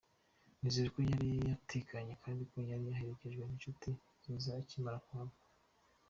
Nizere ko yari atekanye kandi ko yari aherekejwe n’inshuti nziza akimara kuhava.